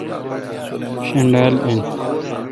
شݨال این۔